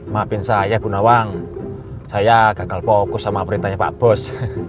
maafin saya bu nawang saya gagal fokus sama perintahnya pak bos